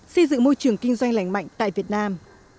xây dựng môi trường kinh doanh lành mạnh tại việt nam